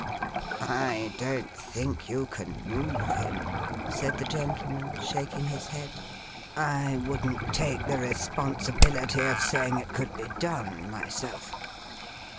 'I don't think you can move him,' said the gentleman, shaking his head. 'I wouldn't take the responsibility of saying it could be done, myself.